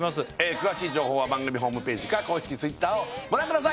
詳しい情報は番組ホームページか公式Ｔｗｉｔｔｅｒをご覧ください